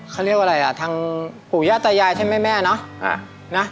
เขาเรียกว่าอะไรอ่ะทางปู่ย่าตายายใช่ไหมแม่เนาะ